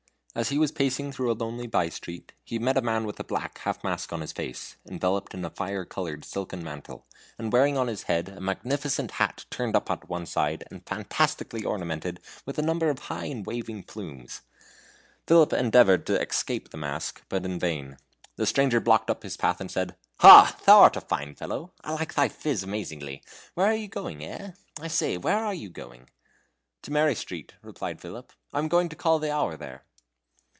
As he was pacing through a lonely by street, he met a man with a black half mask on his face, enveloped in a fire colored silken mantle, and wearing on his head a magnificent hat turned up at one side, and fantastically ornamented with a number of high and waving plumes. Philip endeavored to escape the mask, but in vain. The stranger blocked up his path and said: "Ha! thou art a fine fellow; I like thy phiz amazingly. Where are you going, eh? I say, where are you going?" "To Mary Street," replied Philip. "I am going to call the hour there."